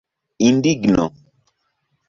Indigno.